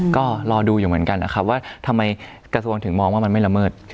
ก็รอดูอยู่เหมือนกันนะครับว่าทำไมกระทรวงถึงมองว่ามันไม่ละเมิด